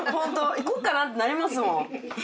行こっかなってなりますもん。